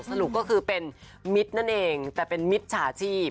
สรุปก็คือเป็นมิตรนั่นเองแต่เป็นมิตรฉาชีพ